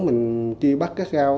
mình chi bắt các giao